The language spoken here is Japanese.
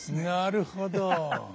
なるほど。